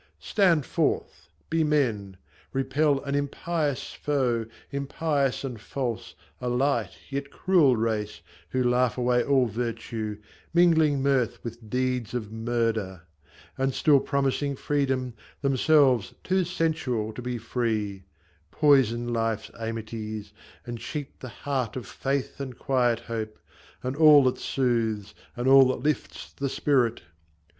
Stand forth ! be men ! repel an impious foe, Impious and false, a light yet cruel race, Who laugh away all virtue, mingling mirth With deeds of murder ; and still promising Freedom, themselves too sensual to be free, Poison life's amities, and cheat the heart Of faith and quiet hope, and all that soothes, And all that lifts the spirit